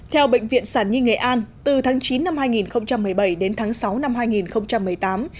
theo bệnh viện sản nhi nghệ an từ tháng chín năm hai nghìn một mươi bảy đến tháng sáu năm hai nghìn một mươi tám